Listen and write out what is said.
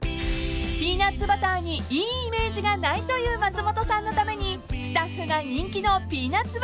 ［ピーナッツバターにいいイメージがないという松本さんのためにスタッフが］